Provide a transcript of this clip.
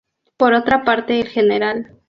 Por otra parte, el Gral.